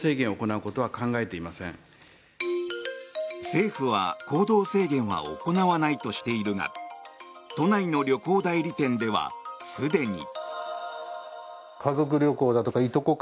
政府は行動制限は行わないとしているが都内の旅行代理店ではすでに。